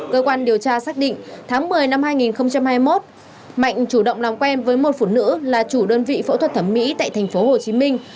cơ quan điều tra xác định tháng một mươi năm hai nghìn hai mươi một mạnh chủ động làm quen với một phụ nữ là chủ đơn vị phẫu thuật thẩm mỹ tại thành phố hồ chí minh